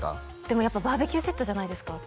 でもやっぱバーベキューセットじゃないですか？